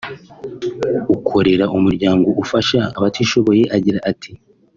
ukorera umuryango ufasha abatishoboye agira ati